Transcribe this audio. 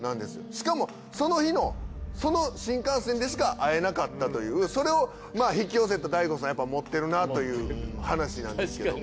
しかもその日のその新幹線でしか会えなかったというそれを引き寄せた大悟さんやっぱ持ってるなという話なんですけども。